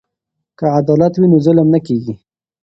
که عدالت وي نو ظلم نه کیږي.